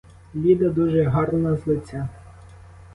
Ліда дуже гарна з лиця.